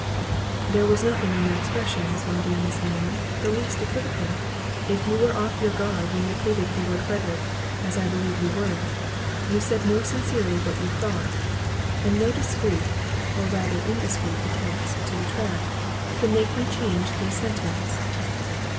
"There was nothing in your expressions, my dear Miss Milner, the least equivocal—if you were off your guard when you pleaded for Lord Frederick, as I believe you were, you said more sincerely what you thought; and no discreet, or rather indiscreet attempts to retract, can make me change these sentiments."